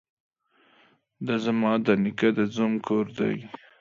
ده ځما ده نيکه ده زوم کور دې.